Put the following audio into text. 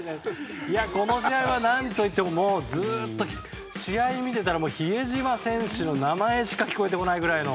この試合、なんといってももうずっと試合見てたら比江島選手の名前しか聞こえてこないくらいの。